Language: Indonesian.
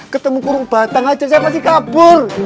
ketemu kurung batang aja saya masih kabur